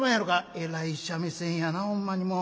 「えらい三味線やなほんまにもう。